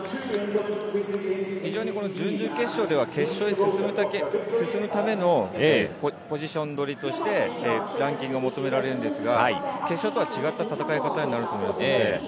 非常に準々決勝では決勝に進むためのポジション取りとして、ランキングを求められるんですが、決勝とは違った戦い方になると思います。